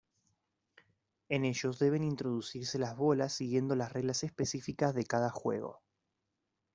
En ellos deben introducirse las bolas siguiendo las reglas específicas de cada juego.